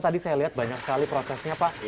tadi saya lihat banyak sekali prosesnya pak